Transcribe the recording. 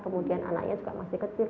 kemudian anaknya juga masih kecil